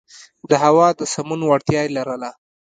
د هوا د سمون وړتیا یې لرله.